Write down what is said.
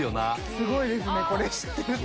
すごいですね知ってると。